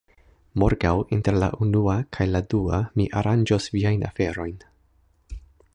Morgaŭ, inter la unua kaj la dua, mi aranĝos viajn aferojn.